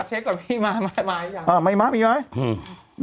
เช็คก่อนพี่มามาอีกอย่างอ่าไม่มาอีกอย่างไงอืม